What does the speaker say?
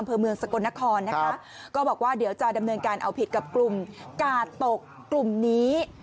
เมืองสกลนครนะคะก็บอกว่าเดี๋ยวจะดำเนินการเอาผิดกับกลุ่มกาดตกกลุ่มนี้